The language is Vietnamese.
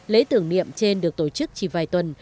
lễ tưởng niệm trên được tổ chức chỉ vài tuần